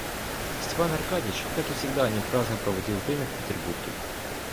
Степан Аркадьич, как к всегда, не праздно проводил время в Петербурге.